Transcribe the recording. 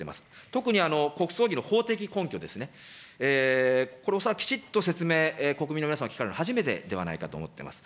特に国葬儀の法的根拠ですね、これは恐らくきちっと説明、国民の皆さんが聞かれるのは初めてではないかと思ってます。